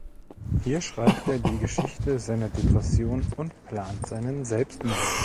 Hier schreibt er die Geschichte seiner Depression und plant seinen Selbstmord.